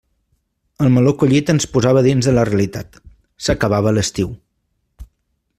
El meló collit ens posava dins de la realitat: s'acabava l'estiu.